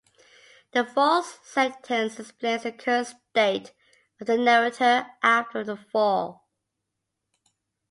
The fourth sentence explains the current state of the narrator after the fall.